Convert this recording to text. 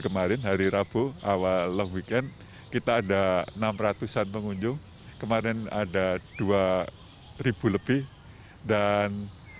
kemarin hari rabu awal long weekend kita ada enam ratus an pengunjung kemarin ada dua ribu lebih dan